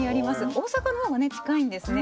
大阪のほうがね近いんですね。